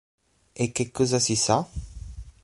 E che cosa si sa?